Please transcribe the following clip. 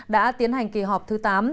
đã tiến hành kỳ họp thứ tám